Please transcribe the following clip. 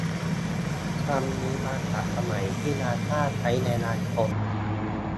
คำนี้มาจากสมัยที่นาซ่าใช้แรงงานคน